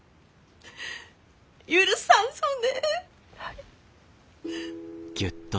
許さんぞね。